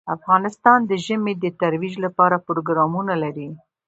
افغانستان د ژمی د ترویج لپاره پروګرامونه لري.